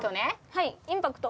はいインパクト。